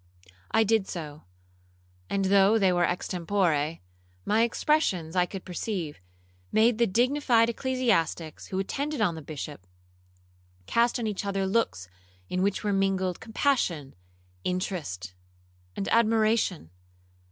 I did so; and though they were extempore, my expressions, I could perceive, made the dignified ecclesiastics who attended on the Bishop, cast on each other looks in which were mingled compassion, interest, and admiration.